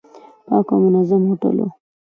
پاک او منظم هوټل و.